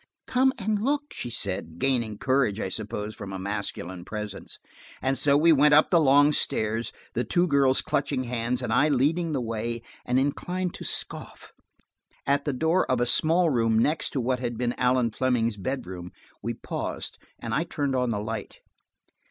"Come and look," she said, gaining courage, I suppose, from a masculine presence. And so we went up the long stairs, the two girls clutching hands, and I leading the way and inclined to scoff. At the door of a small room next to what had been Allan Fleming's bedroom, we paused and I turned on the light.